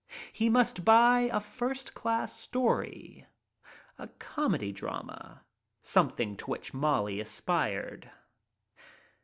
He must buy a first class story — a comedy drama, something to which Molly aspired.